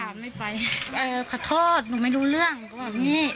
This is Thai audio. ขาไม่ไปเออขอโทษหนูไม่รู้เรื่องก็แบบนี้